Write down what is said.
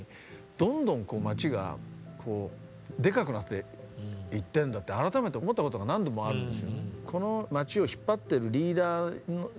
どんどん街がデカくなっていってるんだって改めて思ったことが何度もあるんです。